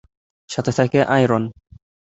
সাথে থাকে আয়রন।